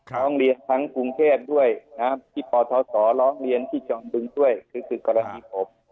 ร้องเรียนทั้งกรุงเทพด้วยที่ปทศร้องเรียนที่จอมบึงด้วยคือกรณีผม